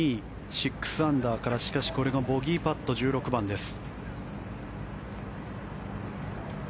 ６アンダーからしかしこれがボギーパット１６番です。